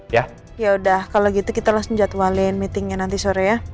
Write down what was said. yaudah kalau gitu kita langsung jadwain meeting nya nanti sore ya